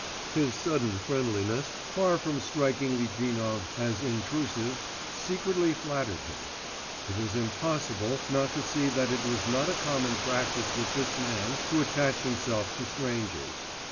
His sudden friendliness, far from striking Litvinov as intrusive, secretly flattered him; it was impossible not to see that it was not a common practice with this man to attach himself to strangers.